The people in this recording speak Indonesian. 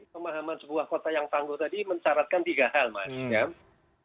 pemahaman sebuah kota yang tangguh tadi mencaratkan tiga hal mas